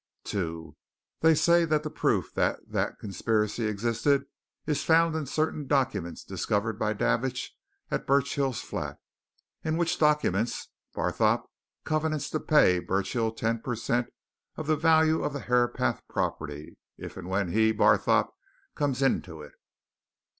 "2. They say that the proof that that conspiracy existed is found in certain documents discovered by Davidge at Burchill's flat, in which documents Barthorpe covenants to pay Burchill ten per cent. of the value of the Herapath property if and when he, Barthorpe, comes into it.